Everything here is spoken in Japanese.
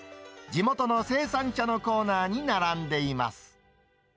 地元の生産者のコーナーに並んでいます。